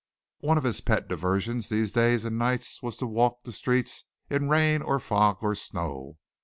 One of his pet diversions these days and nights was to walk the streets in rain or fog or snow.